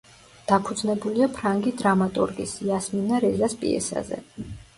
დაფუძნებულია ფრანგი დრამატურგის, იასმინა რეზას, პიესაზე.